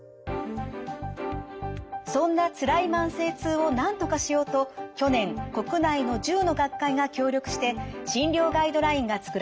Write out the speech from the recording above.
そんなつらい慢性痛をなんとかしようと去年国内の１０の学会が協力して診療ガイドラインが作られました。